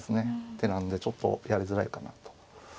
手なんでちょっとやりづらいかなと。